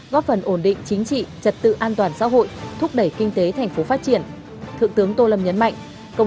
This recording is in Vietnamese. góp phần ổn định chính trị trật tự an toàn xã hội thúc đẩy kinh tế thành phố phát triển